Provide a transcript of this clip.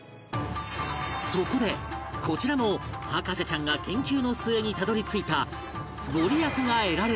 そこでこちらの博士ちゃんが研究の末にたどり着いたご利益が得られる！